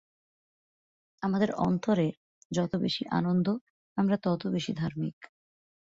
আমাদের অন্তরে যত বেশী আনন্দ, আমরা তত বেশী ধার্মিক।